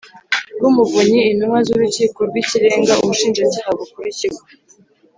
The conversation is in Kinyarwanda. rw Umuvunyi intumwa z Urukiko rw Ikirenga Ubushinjacyaha Bukuru Ikigo